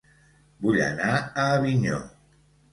Vull anar a Avinyó